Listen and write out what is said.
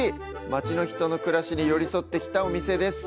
町の人の暮らしに寄り添ってきたお店です。